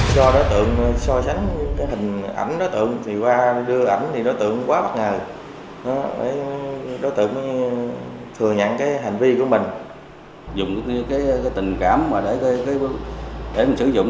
do đối tượng so sánh hình ảnh đối tượng